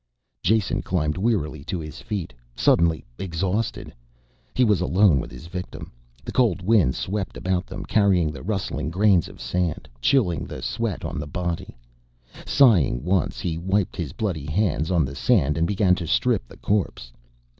Jason climbed wearily to his feet, suddenly exhausted. He was alone with his victim. The cold wind swept about them carrying the rustling grains of sand, chilling the sweat on his body. Sighing once he wiped his bloody hands on the sand and began to strip the corpse.